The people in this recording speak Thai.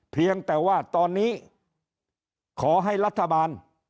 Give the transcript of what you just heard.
เพียงแต่ว่าตอนนี้ขอให้รัฐบาล